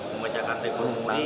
memecahkan rekor muri